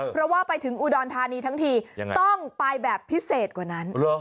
เพราะว่าไปถึงอุดรธานีทั้งทีต้องไปแบบพิเศษกว่านั้น